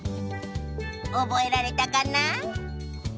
おぼえられたかな？